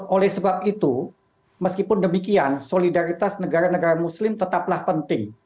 oleh sebab itu meskipun demikian solidaritas negara negara muslim tetaplah penting